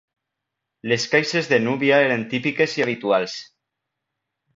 Les caixes de núvia eren típiques i habituals.